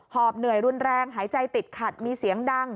อบเหนื่อยรุนแรงหายใจติดขัดมีเสียงดัง